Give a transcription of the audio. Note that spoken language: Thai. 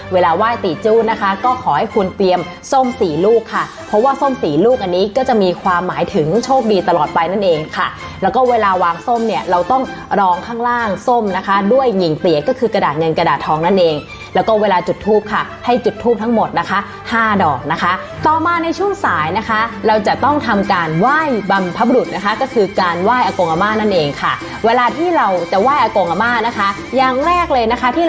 เวลาไหว้ตีจู้นะคะก็ขอให้คุณเตรียมส้มสี่ลูกค่ะเพราะว่าส้มสี่ลูกอันนี้ก็จะมีความหมายถึงโชคดีตลอดไปนั่นเองค่ะแล้วก็เวลาวางส้มเนี่ยเราต้องรองข้างล่างส้มนะคะด้วยหญิงเตี๋ยก็คือกระดาษเงินกระดาษทองนั่นเองแล้วก็เวลาจุดทูปค่ะให้จุดทูปทั้งหมดนะคะ๕ดอกนะคะต่อมาในช่วงสายนะคะเราจะต้องทำการไห